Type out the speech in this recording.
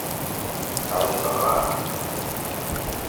Ɛejbeɣ-am.